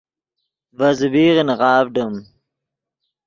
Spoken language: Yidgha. ڤے زبیغ نغاڤڈیم